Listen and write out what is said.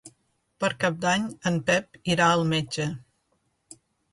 Per Cap d'Any en Pep irà al metge.